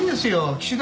岸田